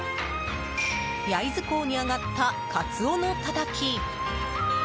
焼津港に揚がったカツオのたたき。